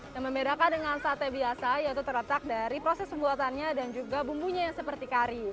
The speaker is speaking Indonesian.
yang membedakan dengan sate biasa yaitu terletak dari proses pembuatannya dan juga bumbunya yang seperti kari